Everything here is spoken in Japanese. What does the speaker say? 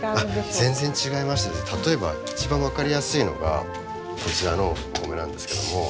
全然違いまして例えば一番分かりやすいのがこちらのお米なんですけども。